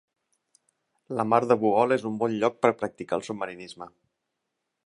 La mar de Bohol és un bon lloc per practicar el submarinisme.